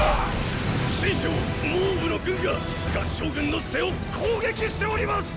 秦将・蒙武の軍が合従軍の背を攻撃しております！